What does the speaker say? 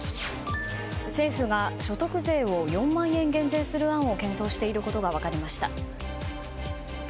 政府が所得税を４万円減税する案を検討していることが分かりました。